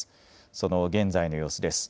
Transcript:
その現在の様子です。